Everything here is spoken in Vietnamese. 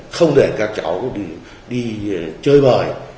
không để các cháu đi chơi bời